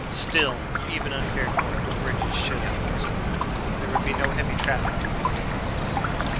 Still, even uncared for, the bridges should outlast him there would be no heavy traffic to weaken them.